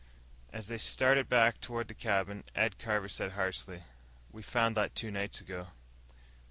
As they started back toward the cabin, Ed Carver said harshly, "We found that two nights ago."